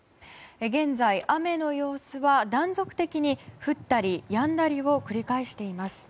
現在、雨の様子は断続的に降ったりやんだりを繰り返しています。